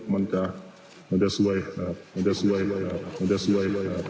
มันจะมันจะซวยครับมันจะซวยเลยครับมันจะซวยเลยครับ